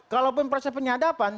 kalaupun proses penyadapan